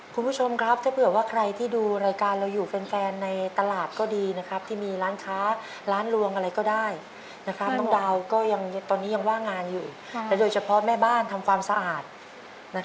คุณผู้ชมครับถ้าเผื่อว่าใครที่ดูรายการเราอยู่แฟนในตลาดก็ดีนะครับที่มีร้านค้าร้านลวงอะไรก็ได้น้องดาวก็ยังตอนนี้ยังว่างงานอยู่และโดยเฉพาะแม่บ้านทำความสะอาด